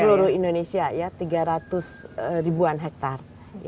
seluruh indonesia ya tiga ratus ribuan hektare